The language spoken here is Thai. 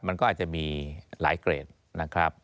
มันก็อาจจะมีหลายเกรดนะครับ